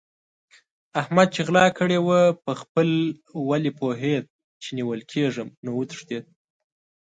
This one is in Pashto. احمد چې غلا کړې وه؛ په خپل ولي پوهېد چې نيول کېږم نو وتښتېد.